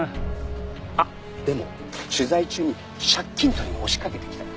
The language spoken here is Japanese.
あっでも取材中に借金取りが押しかけてきたよ。